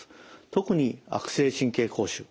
特に悪性神経膠腫。